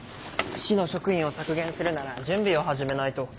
市の職員を削減するなら準備を始めないと。